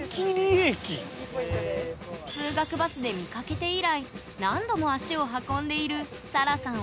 通学バスで見かけて以来何度も足を運んでいるさらさん